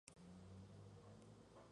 Su hijo Henry murió al año siguiente.